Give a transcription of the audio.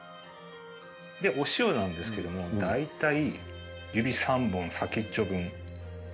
お塩なんですけども大体指３本先っちょ分。